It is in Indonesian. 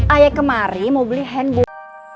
ayah kemarin mau beli handbook